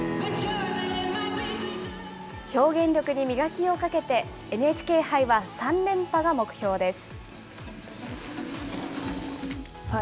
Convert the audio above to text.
表現力に磨きをかけて、ＮＨＫ杯は３連覇が目標です。